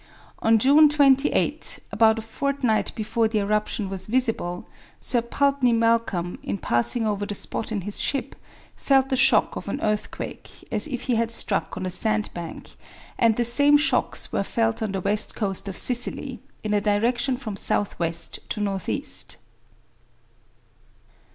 On June 28, about a fortnight before the eruption was visible, Sir Pulteney Malcom, in passing over the spot in his ship, felt the shock of an earthquake as if he had struck on a sandbank, and the same shocks were felt on the west coast of Sicily, in a direction from south west to north east.